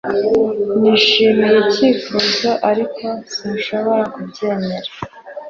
Nishimiye icyifuzo ariko sinshobora kubyemera